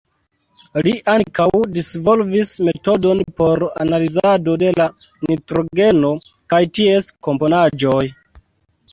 Li ankaŭ disvolvis metodon por analizado de la nitrogeno kaj ties komponaĵoj.